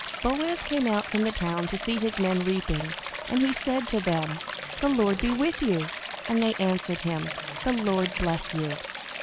Boaz came out from the town to see his men reaping, and he said to them, "The Lord be with you"; and they answered him, "The Lord bless you."